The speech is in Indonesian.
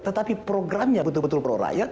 tetapi programnya betul betul pro rakyat